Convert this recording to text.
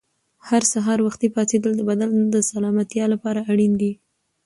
هر سهار وختي پاڅېدل د بدن د سلامتیا لپاره اړین دي.